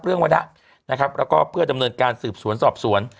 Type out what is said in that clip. และก็เพื่อจำนวนการสูบสวนสอบสวน